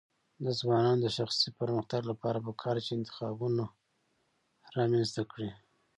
د ځوانانو د شخصي پرمختګ لپاره پکار ده چې انتخابونه رامنځته کړي.